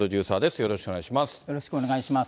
よろしくお願いします。